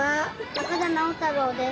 高田直太郎です。